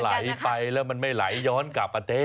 ไหลไปแล้วมันไม่ไหลย้อนกลับประเทศ